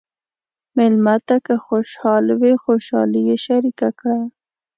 مېلمه ته که خوشحال وي، خوشالي یې شریکه کړه.